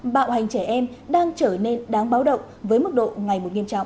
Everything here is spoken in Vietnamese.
bạo hành trẻ em đang trở nên đáng báo động với mức độ ngày một nghiêm trọng